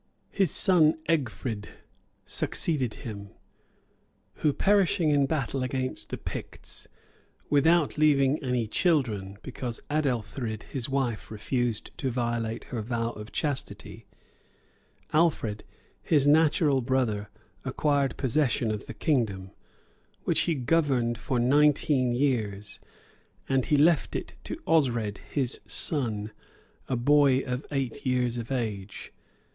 His son Egfrid succeeded him; who perishing in battle against the Picts, without leaving any children, because Adelthrid, his wife, refused to violate her vow of chastity, Alfred, his natural brother, acquired possession of the kingdom, which he governed for nineteen years; and he left it to Osred, his son, a boy of eight years of age.